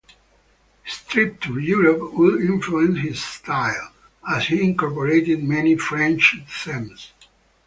His trip to Europe would influence his style, as he incorporated many French themes.